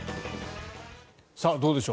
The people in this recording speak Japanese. さあどうでしょう。